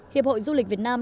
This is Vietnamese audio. hiệp hội du lịch việt nam